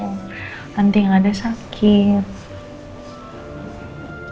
nanti gak ada sakit